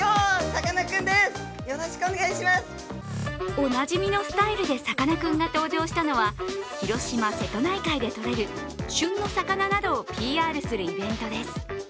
おなじみのスタイルでさかなクンが登場したのは広島・瀬戸内海でとれる旬の魚などをＰＲするイベントです。